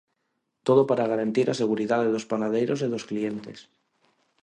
Todo para garantir a seguridade dos panadeiros e dos clientes.